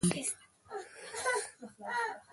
نه خالپوڅي نه دي وکړې پکښی منډي